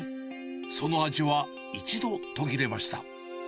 その味は、一度途切れました。